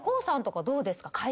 ＫＯＯさんとかどうですか？